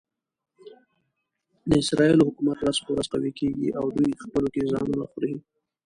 د اسرایلو حکومت ورځ په ورځ قوي کېږي او دوی خپلو کې ځانونه خوري.